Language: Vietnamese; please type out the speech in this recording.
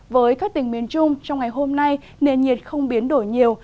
với các tỉnh miền trung trong ngày hôm nay nền nhiệt không biến đổi nhiều